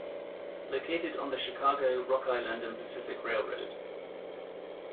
Located on the Chicago, Rock Island and Pacific Railroad.